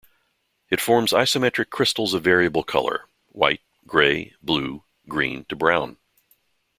It forms isometric crystals of variable color: white, grey, blue, green, to brown.